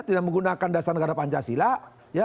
tidak menggunakan dasar negara pancasila ya